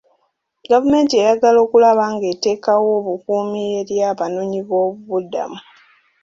Gavumenti eyagala okulaba nga eteekawo obukuumi eri abanoonyiboobubudamu.